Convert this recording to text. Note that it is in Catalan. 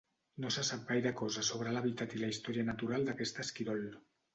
No se sap gaire cosa sobre l'hàbitat i la història natural d'aquest esquirol.